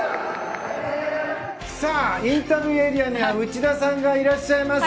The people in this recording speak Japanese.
インタビューエリアには内田さんがいらっしゃいます。